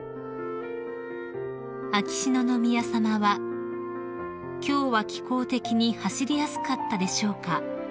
［秋篠宮さまは「今日は気候的に走りやすかったでしょうか？」